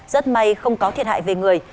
rất may không có thiệt hại về người